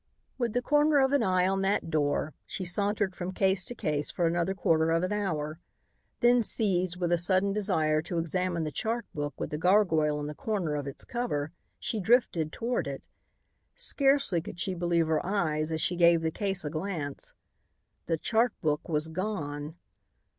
With the corner of an eye on that door, she sauntered from case to case for another quarter of an hour. Then seized with a sudden desire to examine the chart book with the gargoyle in the corner of its cover, she drifted toward it. Scarcely could she believe her eyes as she gave the case a glance. _The chart book was gone.